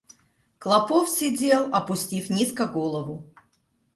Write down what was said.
Клопов сидел, опустив низко голову.